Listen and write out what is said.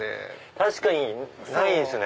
確かにないですね。